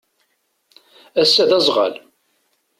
Ass-a d azɣal.